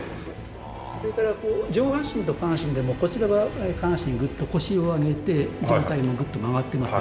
それから上半身と下半身でもこちらは下半身グッと腰を上げて上体もグッと曲がってますよね。